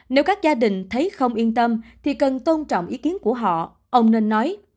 nếu các gia đình thấy không yên tâm thì cần tôn trọng ý kiến của họ ông nên nói